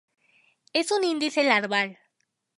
Es un índice larval.